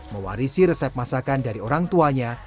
mewarisi resep masakan dari orang tuanya